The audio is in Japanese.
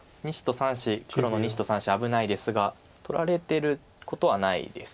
黒の２子と３子危ないですが取られてることはないです。